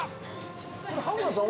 これ浜田さん